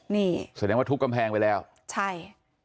นี่แสดงว่าทุบกำแพงไปแล้วใช่